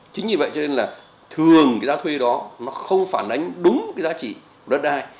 chính vì vậy cho nên là thường cái giá thuê đó nó không phản đánh đúng cái giá trị đất ai